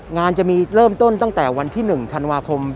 งานจะมีเริ่มต้นตั้งแต่วันที่๑ธันวาคม